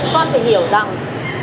con phải hiểu rằng